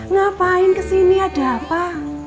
ngapain kesini ada apa